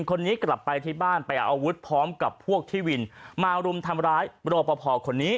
คนนี้กลับไปที่บ้านไปเอาอาวุธพร้อมกับพวกที่วินมารุมทำร้ายรอปภคนนี้